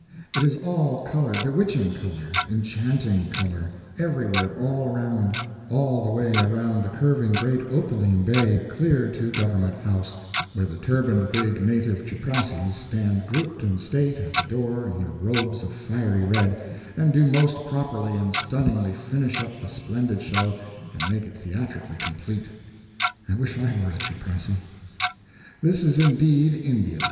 It is all color, bewitching color, enchanting color everywhere all around all the way around the curving great opaline bay clear to Government House, where the turbaned big native 'chuprassies' stand grouped in state at the door in their robes of fiery red, and do most properly and stunningly finish up the splendid show and make it theatrically complete. I wish I were a 'chuprassy'. This is indeed India!